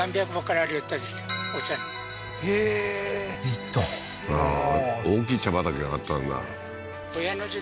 ああー大きい茶畑があったんだ